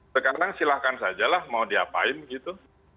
sekarang silahkan saja lah mau diapain gitu